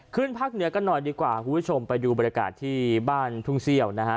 ภาคเหนือกันหน่อยดีกว่าคุณผู้ชมไปดูบรรยากาศที่บ้านทุ่งเซี่ยวนะฮะ